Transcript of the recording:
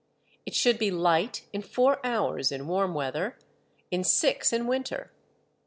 It should be light in four hours in warm weather, in six in winter.